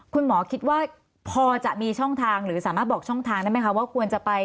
คุณหมอคิดว่าพอจะมีช่องทางหรือสามารถบอกช่องทางได้ไหมคะว่าควรจะไป